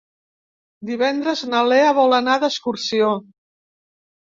Divendres na Lea vol anar d'excursió.